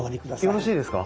よろしいですか？